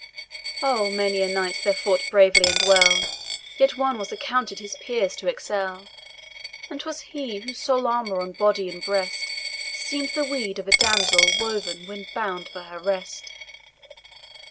Oh, many a knight there fought bravely and well, Yet one was accounted his peers to excel, And 'twas he whose sole armour on body and breast Seem'd the weed of a damsel when bouned for her rest.